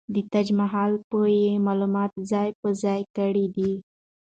د تاج محل په يې معلومات ځاى په ځاى کړي دي.